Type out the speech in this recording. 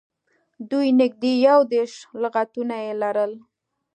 دوی نږدې یو دېرش لغاتونه یې لرل.